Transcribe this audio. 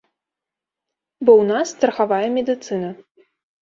Бо ў нас страхавая медыцына.